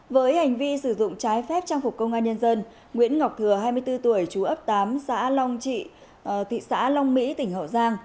với hành vi sử dụng trái phép trang phục công an nhân dân nguyễn ngọc thừa hai mươi bốn tuổi chú ấp tám xã long trị thị xã long mỹ tỉnh hậu giang